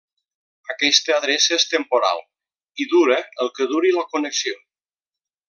Aquesta adreça és temporal, i dura el que duri la connexió.